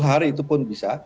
hari itu pun bisa